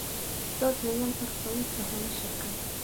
دا دویم اروپايي سهامي شرکت و.